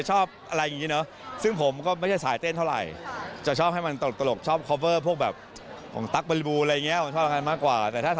จริงเป็นเพราะนักแสดงสาวที่ร่วมงานด้วย